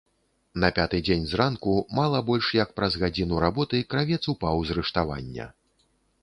На пяты дзень зранку, мала больш як праз гадзіну работы, кравец упаў з рыштавання.